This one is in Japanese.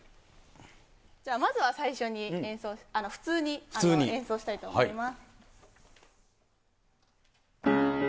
じゃあまずは最初に演奏、普通に演奏したいと思います。